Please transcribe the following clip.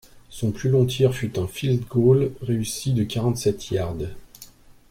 Son plus long tir fut un field goal réussis de quarante-sept yards.